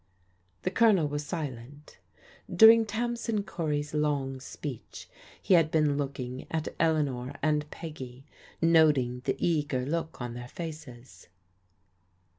The Colonel was silent. During Tamsin Cory's long speech he had been looking at Eleanor and Peggy, not ing the eager look on their faces.